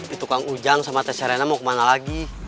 itu kang ujang sama tess serena mau kemana lagi